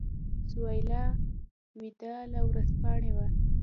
سهیلا وداع له ورځپاڼې وه.